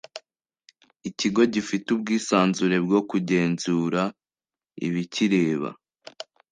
ikigo gifite ubwisanzure bwo kugenzura ibikireba